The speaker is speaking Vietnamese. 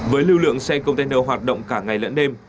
với lực lượng xe công tơ nâu hoạt động cả ngày lẫn đêm